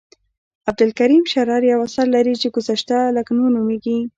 عبدالکریم شرر یو اثر لري چې ګذشته لکنهو نومیږي.